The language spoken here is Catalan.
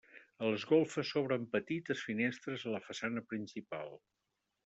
A les golfes s'obren petites finestres a la façana principal.